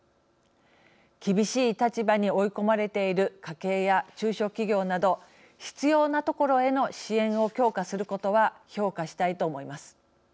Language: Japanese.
厳しい立場に追い込まれている家計や中小企業など必要なところへの支援を強化することは評価したいと思います。